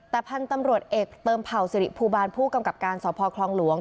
แต่พันธุ์ตำรวจเอกเติมเผ่าสิริภูบาลผู้กำกับการสพคลองหลวง